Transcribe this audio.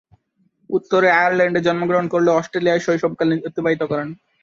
উত্তরে আয়ারল্যান্ডে জন্মগ্রহণ করলেও অস্ট্রেলিয়ায় শৈশবকাল অতিবাহিত করেন।